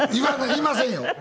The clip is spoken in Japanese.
言いませんよ。